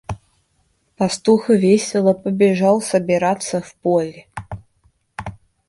Пастух весело побежал собираться в поле.